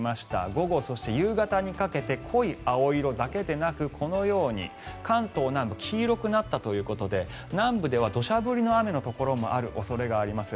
午後、そして夕方にかけて濃い青色だけではなくこのように関東南部黄色くなったということで南部では土砂降りの雨のところもある恐れがあります。